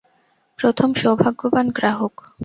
প্রথম সৌভাগ্যবান গ্রাহক।